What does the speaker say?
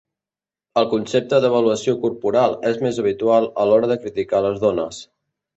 El concepte d'avaluació corporal és més habitual a l'hora de criticar les dones.